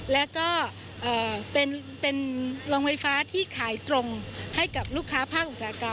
แล้วก็เป็นโรงไฟฟ้าที่ขายตรงให้กับลูกค้าภาคอุตสาหกรรม